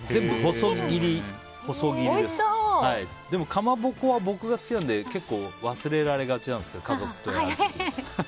かまぼこは僕が好きなので結構忘れられがちなんですけど家族とやると。